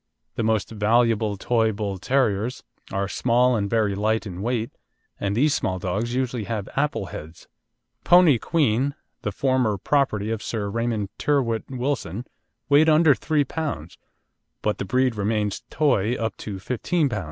The most valuable Toy Bull terriers are small and very light in weight, and these small dogs usually have "apple heads." Pony Queen, the former property of Sir Raymond Tyrwhitt Wilson, weighed under 3 lb., but the breed remains "toy" up to 15 lb.